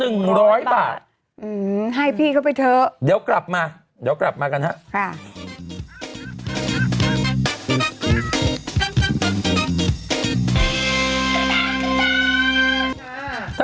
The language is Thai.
อืมให้พี่เขาไปเถอะเดี๋ยวกลับมาเดี๋ยวกลับมากันฮะค่ะ